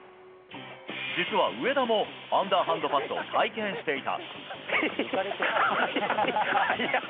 実は上田もアンダーハンドパスを体験していた。